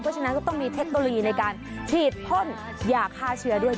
เพราะฉะนั้นก็ต้องมีเทคโนโลยีในการฉีดพ่นยาฆ่าเชื้อด้วย